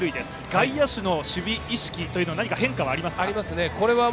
外野手の守備意識に何か変化はありますか？